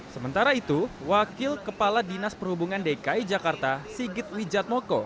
sementara itu wakil kepala dinas perhubungan dki jakarta sigit wijatmoko